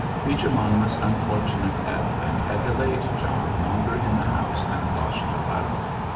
Beecher Monmouth's unfortunate advent had delayed John longer in the house than caution allowed.